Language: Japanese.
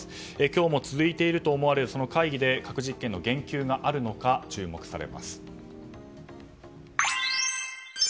今日も続いていると思われる会議で核実験の言及があるのか注目されます。